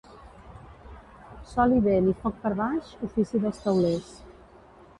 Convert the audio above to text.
Sol i vent i foc per baix, ofici dels teulers.